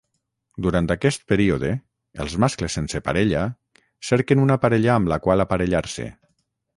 Durant aquest període, els mascles sense parella cerquen una parella amb la qual aparellar-se.